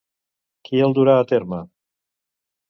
Qui el durà a terme?